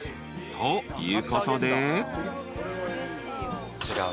［ということで］